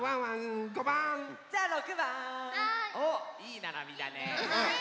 おっいいならびだね。